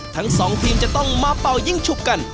ทั้งสองทีมจะต้องมาเป่ายิ่งฉุกกัน